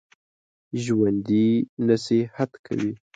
ژوندي نصیحت کوي